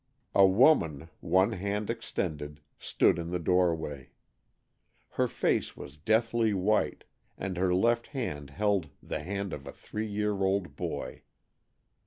A woman, one hand extended, stood in the doorway. Her face was deathly white, and her left hand held the hand of a three year old boy.